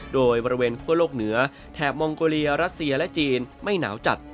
โดยบริเวณคั่วโลกเหนือแถบมองโกเลียรัสเซียและจีนไม่หนาวจัด